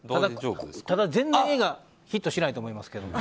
ただ、全然、映画ヒットしないと思いますけど。